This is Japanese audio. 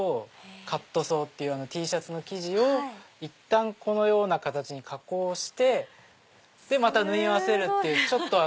カットソーっていうＴシャツの生地をいったんこのような形に加工してまた縫い合わせるっていう。